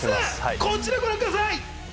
こちらをご覧ください！